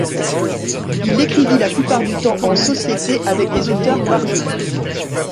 Il écrivit la plupart du temps en société avec des auteurs variés.